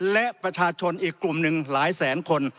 และประชาชนอีกกลุ่มหนึ่งหลายแสนคน